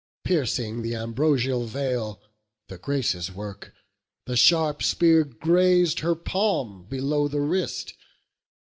Piercing th' ambrosial veil, the Graces' work, The sharp spear graz'd her palm below the wrist.